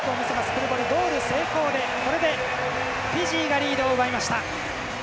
クルボリ、ゴール成功でこれでフィジーがリードを奪いました。